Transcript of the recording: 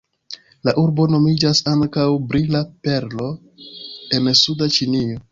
La urbo nomiĝas ankaŭ "Brila Perlo en Suda Ĉinio".